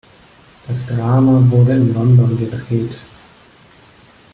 Das Drama wurde in London gedreht.